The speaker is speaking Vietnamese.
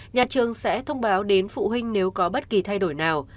nhà trường sẽ thông báo đến phụ huynh nếu có bất kỳ thay đổi nào